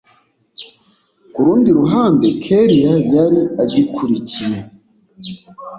kurundi ruhande kellia yari agikurikiye